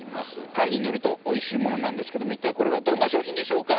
パンに塗るとおいしいものなんですけども一体これはどんな商品でしょうか？